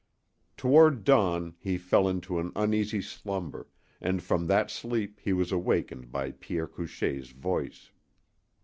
Toward dawn he fell into an uneasy slumber, and from that sleep he was awakened by Pierre Couchée's voice.